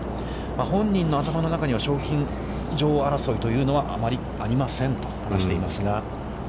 本人の頭の中には賞金女王争いというのは、あまりありませんと話していますが。